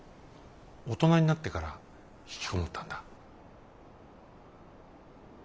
大人になってからひきこもったんだ。